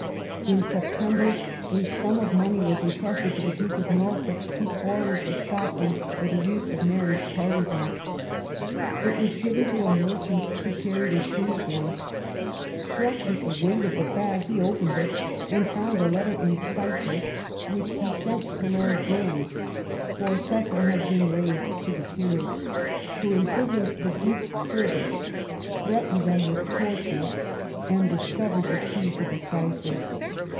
In September a sum of money was entrusted to the Duke of Norfolk to forward to Scotland for the use of Mary's partisans. It was given to a merchant to carry to Shrewsbury. Struck with the weight of the bag, he opened it and found a letter in cipher, which he sent to Lord Burghley (for Cecil had been raised to the peerage), who imprisoned the Duke's servants, threatened them with torture, and discovered the key to the cipher.